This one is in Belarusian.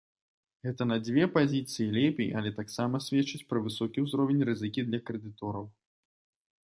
Гэта на дзве пазіцыі лепей, але таксама сведчыць пра высокі ўзровень рызыкі для крэдытораў.